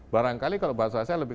barangkali kalau bahasa saya lebih